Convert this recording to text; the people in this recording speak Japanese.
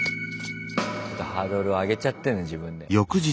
ハードルを上げちゃってんだ自分で。